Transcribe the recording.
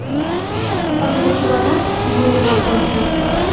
Ынде чыланат мыйымак ончат.